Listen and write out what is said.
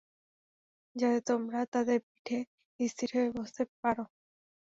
যাতে তোমরা তাদের পিঠে স্থির হয়ে বসতে পার।